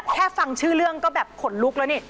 ฟังชื่อเรื่องก็แบบขนลุกแล้วนี่